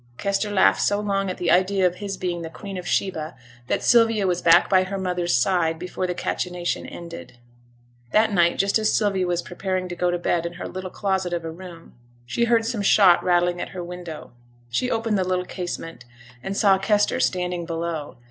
Kester laughed so long at the idea of his being the Queen of Sheba, that Sylvia was back by her mother's side before the cachinnation ended. That night, just as Sylvia was preparing to go to bed in her little closet of a room, she heard some shot rattling at her window. She opened the little casement, and saw Kester standing below.